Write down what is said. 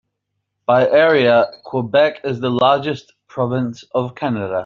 By area, Quebec is the largest province of Canada.